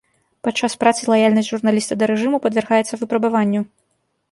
Падчас працы лаяльнасць журналіста да рэжыму падвяргаецца выпрабаванню.